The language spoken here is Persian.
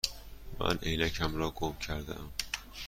من عینکم را گم کرده ام.